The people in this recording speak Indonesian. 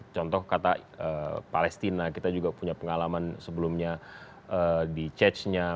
contoh kata palestina kita juga punya pengalaman sebelumnya di charge nya